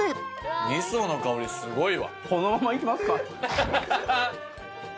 味噌の香りすごいわ。